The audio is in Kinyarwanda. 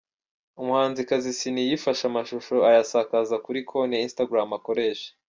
Umuhanzikazi Ciney yifashe amashusho ayasakaza kuri konti ya instagram akoresha